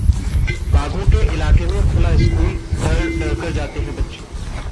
बाघों के इलाके में खुला स्कूल, डर-डर कर जाते हैं बच्चे